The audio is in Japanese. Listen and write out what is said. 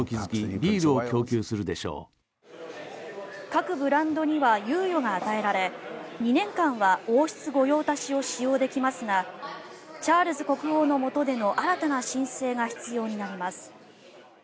各ブランドには猶予が与えられ２年間は王室御用達を使用できますがチャールズ国王のもとでの新たな申請が必要になります。